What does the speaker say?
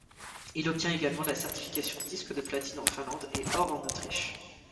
Il obtient également la certification disque de platine en Finlande et or en Autriche.